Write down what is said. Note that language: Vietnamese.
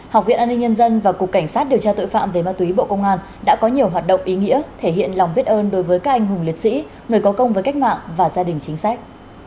học viện an ninh nhân dân và cục cảnh sát điều tra tội phạm về ma túy bộ công an đã có nhiều hoạt động ý nghĩa thể hiện lòng biết ơn đối với các anh hùng liệt sĩ người có công với cách mạng và gia đình chính sách